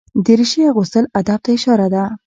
دریشي اغوستل ادب ته اشاره ده.